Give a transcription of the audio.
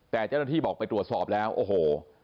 แต่เจ้าหน้าที่บอกไปตรวจสอบแล้วโอ้โห